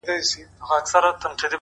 o د انسانانو جهالت له موجه؛ اوج ته تللی؛